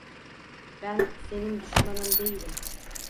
Ben senin düşmanın değilim.